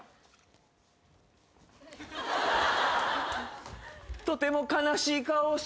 とても悲しい顔をしてた。